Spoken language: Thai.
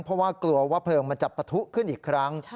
เพราะว่ากลัวว่าเพลิงมันจะปะทุขึ้นอีกครั้ง